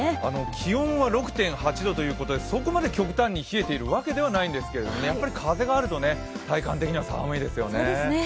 気温は６．８度ということでそこまで極端に増えているわけではないんですけれども、風があると体感的には寒いですよね。